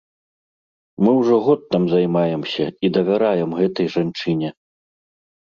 Мы ўжо год там займаемся і давяраем гэтай жанчыне.